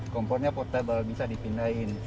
kompornya portable bisa dipindahin